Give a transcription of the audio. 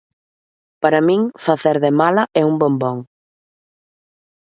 Para min, facer de mala é un bombón.